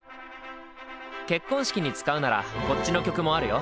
結婚式に使うならこっちの曲もあるよ。